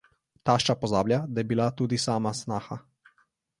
Tašča pozablja, da je bila tudi sama snaha.